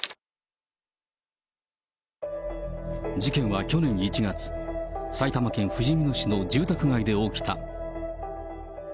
事件は去年１月、埼玉県ふじみ野市の住宅街で起きた。